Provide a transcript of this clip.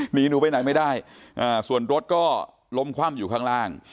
หนีหนูไปไหนไม่ได้ส่วนรถก็ล้มคว่ำอยู่ข้างล่าง